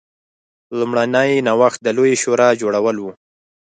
لومړنی نوښت د لویې شورا جوړول و